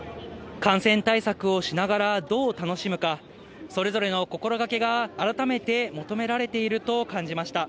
感染対策をしながらどう楽しむか、それぞれの心がけが改めて求められていると感じました。